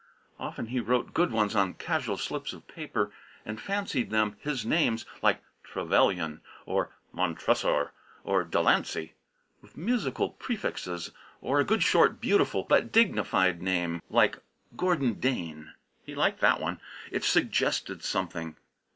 Often he wrote good ones on casual slips of paper and fancied them his; names like Trevellyan or Montressor or Delancey, with musical prefixes; or a good, short, beautiful, but dignified name like "Gordon Dane." He liked that one. It suggested something.